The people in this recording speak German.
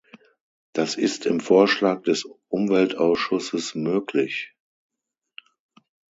Das ist im Vorschlag des Umweltausschusses möglich.